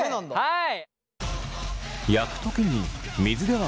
はい！